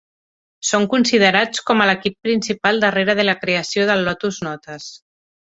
Són considerats com a l'equip principal darrere de la creació de Lotus Notes.